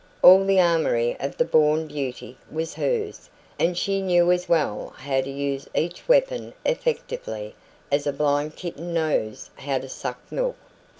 All the armoury of the born beauty was hers, and she knew as well how to use each weapon effectively as a blind kitten knows how to suck milk.